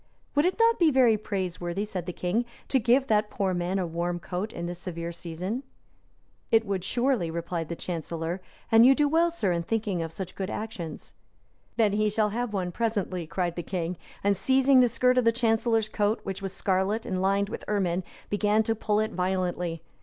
"Would it not be very praiseworthy," said the king, "to give that poor man a warm coat in this severe season?" "It would, surely," replied the chancellor; "and you do well, sir, in thinking of such good actions." "Then he shall have one presently," cried the king; and seizing the skirt of the chancellor's coat, which was scarlet, and lined with ermine, began to pull it violently.